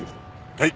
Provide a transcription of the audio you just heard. はい。